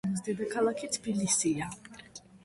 საქართველოს დედაქალაქი ,თბილისია